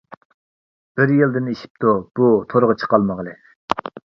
بىر يىلدىن ئېشىپتۇ بۇ تورغا چىقالمىغىلى.